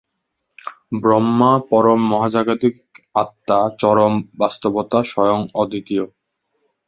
ব্রহ্মা পরম মহাজাগতিক আত্মা, চরম বাস্তবতা, স্বয়ং অদ্বিতীয়।